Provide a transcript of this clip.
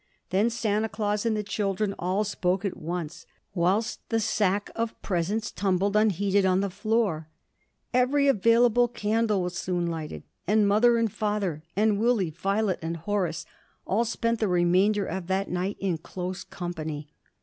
Then Santa Claus and the children all spoke at once whilst the sack of presents tumbled unheeded on the floor. Every available candle was soon lighted, and mother and father and Willie, Violet and Horace all spent the remainder of that night in close company.